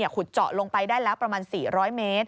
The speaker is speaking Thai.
ขุดเจาะลงไปได้แล้วประมาณ๔๐๐เมตร